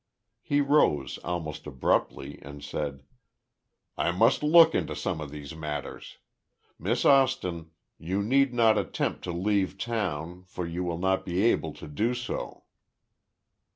He rose almost abruptly, and said, "I must look into some of these matters. Miss Austin, you need not attempt to leave town, for you will not be able to do so."